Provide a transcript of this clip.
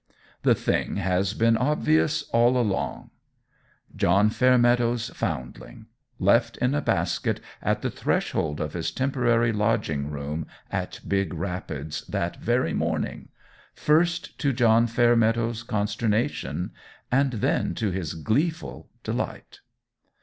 The thing has been obvious all along. John Fairmeadow's foundling: left in a basket at the threshold of his temporary lodging room at Big Rapids that very morning first to John Fairmeadow's consternation, and then to his gleeful delight.